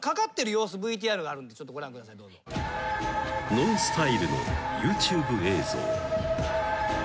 ［ＮＯＮＳＴＹＬＥのＹｏｕＴｕｂｅ映像］